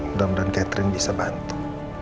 mudah mudahan catherine bisa bantu